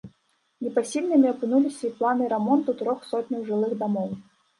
Непасільнымі апынуліся і планы рамонту трох сотняў жылых дамоў.